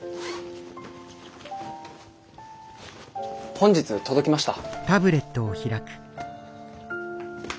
本日届きました。